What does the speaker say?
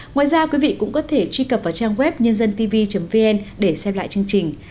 ngoài ra quý vị cũng có thể truy cập vào trang web nhândântv vn để xem lại chương trình